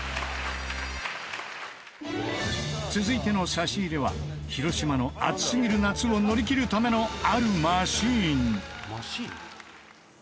続いての差し入れは広島の暑すぎる夏を乗り切るためのあるマシン